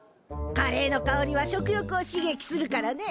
カレーのかおりは食欲を刺激するからね。